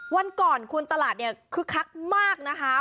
วันก่อนคุณตลาดเนี่ยคึกคักมากนะคะ